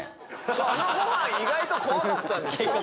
そのご飯意外と怖かったんですよ。